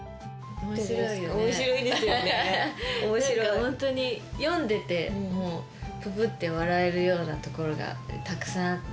何かホントに読んでてププって笑えるようなところがたくさんあって。